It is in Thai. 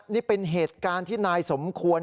นี่เป็นเหตุการณ์ที่นายสมควร